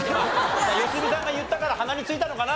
良純さんが言ったから鼻についたのかな？